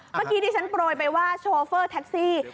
เมื่อกี้ที่ฉันโปรยไปว่าโชเฟอร์แท็กซี่